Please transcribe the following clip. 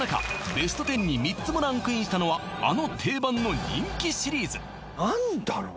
ベスト１０に３つもランクインしたのはあの定番の人気シリーズ何だろう